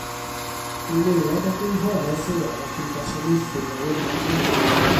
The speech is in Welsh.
Bu'n aelod o gynghorau lleol ac yn gwasanaethu fel ynad heddwch.